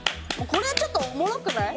これはちょっとおもろくない？